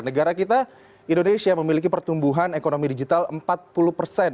negara kita indonesia memiliki pertumbuhan ekonomi digital empat puluh persen